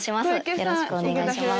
よろしくお願いします。